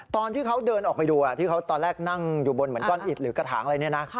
ตอนที่เขาเดินออกไปดูที่เขาตอนแรกนั่งอยู่บนเหมือนก้อนอิดหรือกระถางอะไรเนี่ยนะ